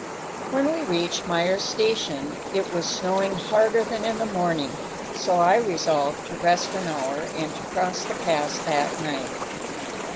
When we reached Myer's Station it was snowing harder than in the morning, so I resolved to rest an hour and to cross the pass that night.